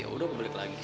ya udah balik lagi sih